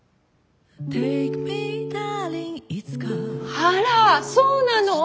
あらそうなの？